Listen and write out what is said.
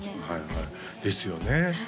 はいはいですよね